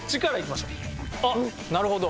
あっなるほど。